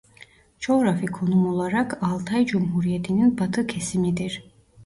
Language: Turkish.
Coğrafi konum olarak Altay Cumhuriyetinin batı kesimidir.